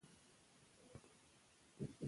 آیا تاسو خپله پانګه اچونه څارئ.